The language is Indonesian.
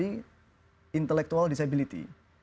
itu akan terjadi intellectual disability